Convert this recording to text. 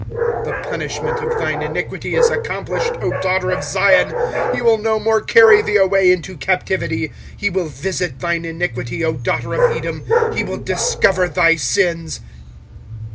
25:004:022 The punishment of thine iniquity is accomplished, O daughter of Zion; he will no more carry thee away into captivity: he will visit thine iniquity, O daughter of Edom; he will discover thy sins.